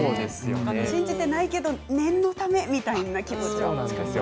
信じていないけれども念のためみたいな気持ちが。